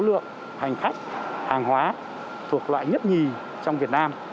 số lượng hành khách hàng hóa thuộc loại nhấp nhì trong việt nam